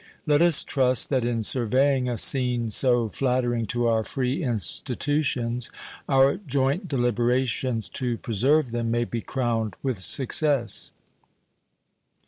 Let us trust that in surveying a scene so flattering to our free institutions our joint deliberations to preserve them may be crowned with success.